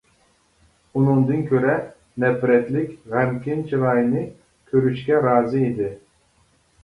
ئۇنىڭدىن كۆرە نەپرەتلىك، غەمكىن چىراينى كۆرۈشكە رازى ئىدى.